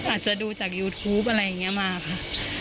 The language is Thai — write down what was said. อาจจะดูจากยูทูปอะไรอย่างนี้มาค่ะ